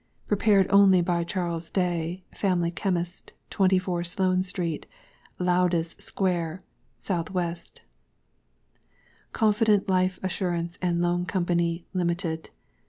Prepared only by CHARLES DAY, Family Chemist, 24, Sloane Street, Lowndes Square, S.W. CONFIDENT LIFE ASSURANCE AND Loan Company, Limited.